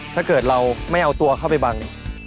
ถ้าเกิดเราไม่เอาตัวเข้าไปบัง